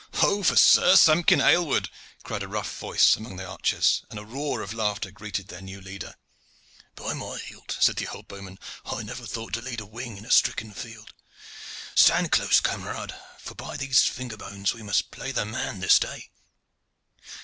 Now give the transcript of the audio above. "Ho! for Sir Samkin Aylward!" cried a rough voice among the archers, and a roar of laughter greeted their new leader. "By my hilt!" said the old bowman, "I never thought to lead a wing in a stricken field. Stand close, camarades, for, by these finger bones! we must play the man this day."